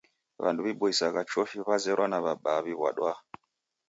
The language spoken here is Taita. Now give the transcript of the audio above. W'andu w'iboisagha chofi w'azerwa na w'abaa w'iw'wadwaa